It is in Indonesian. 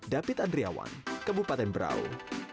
dapit andriawan kebupaten brau